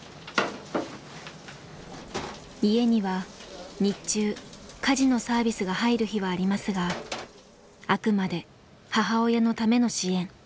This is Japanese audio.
家には日中家事のサービスが入る日はありますがあくまで母親のための支援。